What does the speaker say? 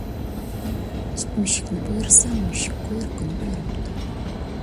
ئىت مۈشۈكنى بۇيرۇسا، مۈشۈك قويرۇقىنى بۇيرۇپتۇ.